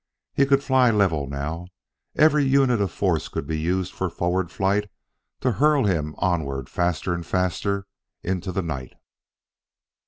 He could fly level now; every unit of force could be used for forward flight to hurl him onward faster and faster into the night.